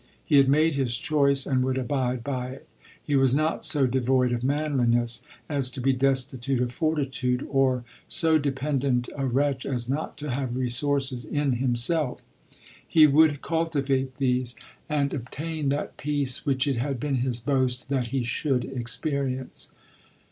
He had made his choice, and would abide by it. He was not so devoid of manliness as to be destitute of fortitude, oi so dependent a wretch as not to have rcsoun in himself. lie would cultivate these, and ob 22 LODORE. tain that peace which it had been his boast that he should experience.